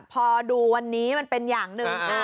พอดูวันนี้มันเป็นอย่างหนึ่ง